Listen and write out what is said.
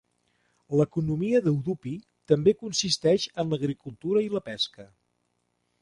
L'economia d'Udupi també consisteix en l'agricultura i la pesca.